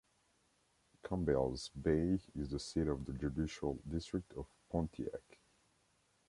Campbell's Bay is the seat of the judicial district of Pontiac.